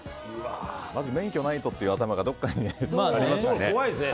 まず免許がないとっていう頭がどこかにありますかね。